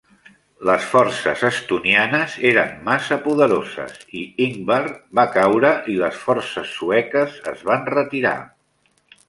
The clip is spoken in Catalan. Les forces estonianes eren massa poderoses, i Ingvar va caure i les forces sueques es van retirar.